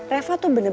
reva tuh beneran